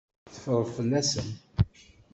Teffreḍ fell-asen.